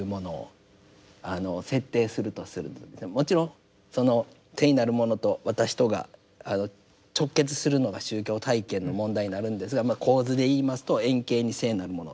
もちろんその聖なるものと私とが直結するのが宗教体験の問題になるんですが構図で言いますと遠景に聖なるもの。